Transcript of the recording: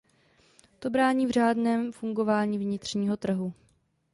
To brání v řádném fungování vnitřního trhu.